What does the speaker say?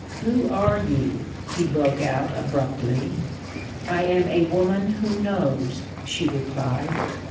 "Who are you?" he broke out abruptly. "I am a Woman Who Knows," she replied.